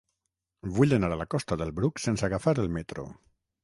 Vull anar a la costa del Bruc sense agafar el metro.